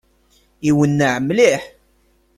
Iwenneɛ mliḥ!